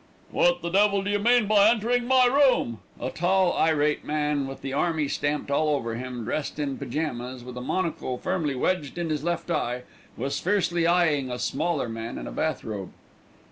"What the devil do you mean by entering my room?" A tall, irate man, with the Army stamped all over him, dressed in pyjamas, with a monocle firmly wedged in his left eye, was fiercely eyeing a smaller man in a bath robe.